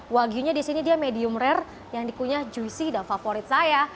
wagyunya di sini dia medium rare yang dikunyah juicy dan favorit saya